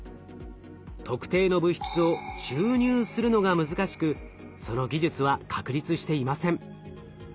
特定の物質を注入するのが難しくその技術は確立していません。